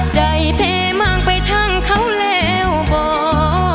ใจเพมากไปทั้งเขาแล้วบ่